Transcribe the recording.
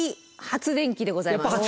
発電機でございます。